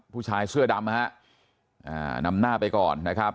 ผู้ชายเสื้อดำนะฮะนำหน้าไปก่อนนะครับ